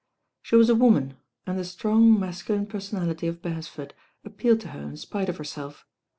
She was a woman, and the strong mascu line personality of Beresford appealed to her in spite of herself.